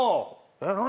「えっ何？